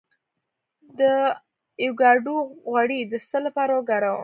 د ایوکاډو غوړي د څه لپاره وکاروم؟